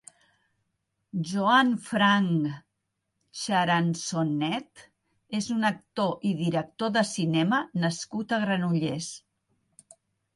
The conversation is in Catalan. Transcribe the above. Joan Frank Charansonnet és un actor i director de cinema nascut a Granollers.